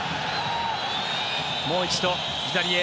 もう一度、左へ。